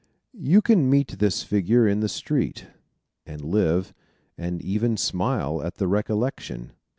You can meet this figure in the street, and live, and even smile at the recollection.